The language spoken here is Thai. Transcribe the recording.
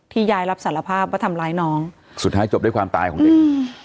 ยายรับสารภาพว่าทำร้ายน้องสุดท้ายจบด้วยความตายของเด็กอืม